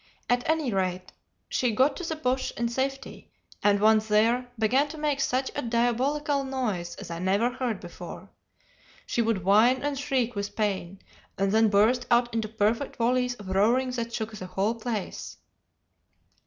At any rate she got to the bush in safety, and once there, began to make such a diabolical noise as I never heard before. She would whine and shriek with pain, and then burst out into perfect volleys of roaring that shook the whole place.